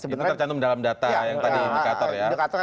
itu tercantum dalam data yang tadi indikator ya